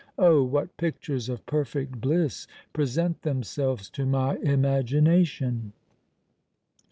Oh! what pictures of perfect bliss present themselves to my imagination!"